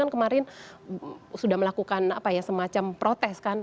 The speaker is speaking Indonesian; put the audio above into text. kemarin sudah melakukan semacam protes kan